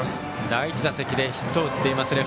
第１打席でヒットを打っています。